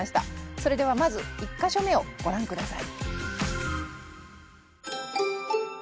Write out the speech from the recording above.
それではまず１か所目をご覧下さい。